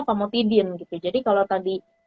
pamotidin jadi kalau tadi